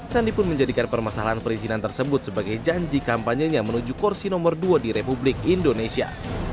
sandi pun menjadikan permasalahan perizinan tersebut sebagai janji kampanyenya menuju kursi nomor dua di republik indonesia